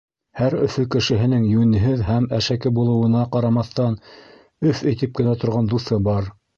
Һәр Өфө кешеһенең йүнһеҙ һәм әшәке булыуына ҡарамаҫтан «өф» итеп кенә торған дуҫы бар.